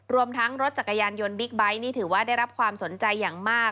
รวมทั้งรถจักรยานยนต์บิ๊กไบท์นี่ถือว่าได้รับความสนใจอย่างมาก